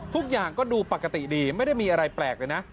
ทุกอย่างก็ดูปกติดีไม่ได้มีอะไรแปลกเลยนะ